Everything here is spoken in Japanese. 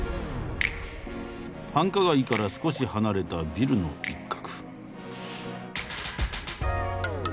繁華街から少し離れたビルの一角。